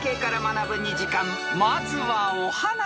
［まずはお花］